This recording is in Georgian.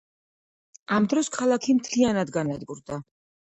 ამ დროს ქალაქი მთლიანად განადგურდა.